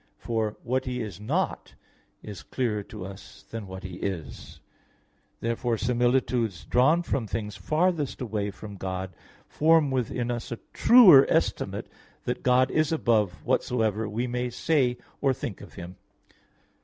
For what He is not is clearer to us than what He is. Therefore similitudes drawn from things farthest away from God form within us a truer estimate that God is above whatsoever we may say or think of Him.